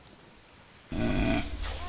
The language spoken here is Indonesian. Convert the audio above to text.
ini adalah tempat yang sangat nyaman untuk orangutan